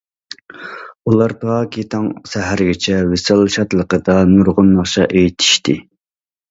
ئۇلار تاكى تاڭ سەھەرگىچە ۋىسال شادلىقىدا نۇرغۇن ناخشا ئېيتىشتى.